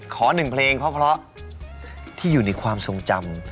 หนึ่งเพลงเพราะที่อยู่ในความทรงจำ